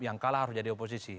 yang kalah harus jadi oposisi